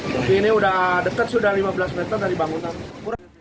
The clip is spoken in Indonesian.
tapi ini udah dekat sudah lima belas menit